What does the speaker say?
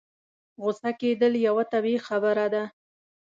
غوسه کېدل يوه طبيعي خبره ده.